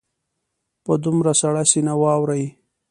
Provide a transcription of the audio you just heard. په دومره سړه سینه واوري.